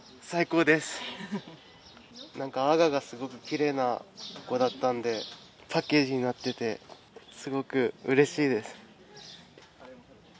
なんか阿賀がすごくきれいなとこだったんでパッケージになっててすごく嬉しいです。